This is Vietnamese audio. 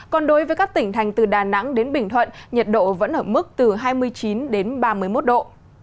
còn đối với các tỉnh thành từ đà nẵng đến bình thuận nhiệt độ vẫn ở mức từ hai mươi chín đến ba mươi một độ